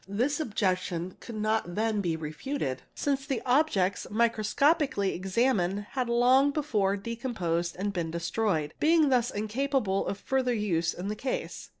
This objection could not then be refuted, since the objects microscopically examined had long before decomposed and been destroyed, being thus incapable of further use in the case.